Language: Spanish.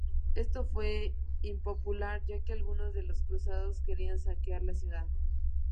Esto fue impopular ya que algunos de los cruzados querían saquear la ciudad.